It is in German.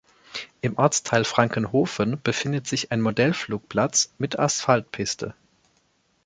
Im Ortsteil Frankenhofen befindet sich ein Modellflugplatz mit Asphaltpiste.